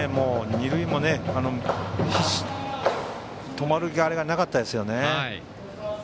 二塁でも止まる気がなかったですよね。